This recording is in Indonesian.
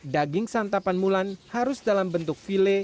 daging santapan mulan harus dalam bentuk file